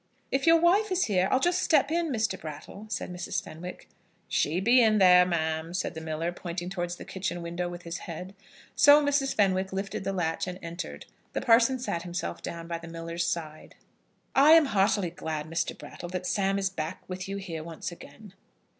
"If your wife is here, I'll just step in, Mr. Brattle," said Mrs. Fenwick. "She be there, ma'am," said the miller, pointing towards the kitchen window with his head. So Mrs. Fenwick lifted the latch and entered. The parson sat himself down by the miller's side. "I am heartily glad, Mr. Brattle, that Sam is back with you here once again."